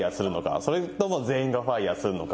それとも全員がファイアーするのか。